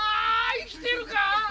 生きてるか！？